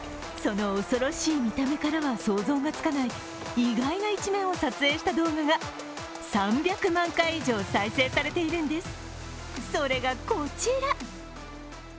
その恐ろしい見た目からは想像がつかない意外な一面を撮影した動画が３００万回以上再生されているんですそれが、こちら。